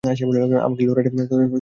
আমাকে লাইটটা তো জ্বালাতে দিন।